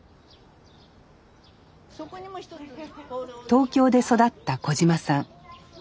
東京で育った小島さん。